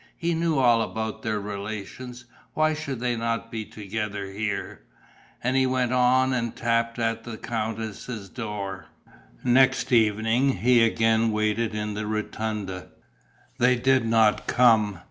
He knew all about their relations. Why should they not be together here? And he went on and tapped at the countess' door.... Next evening he again waited in the rotunda. They did not come.